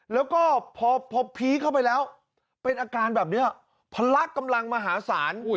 แล้วก็พอพีคเข้าไปแล้วเป็นอาการแบบนี้พละกำลังมหาศาล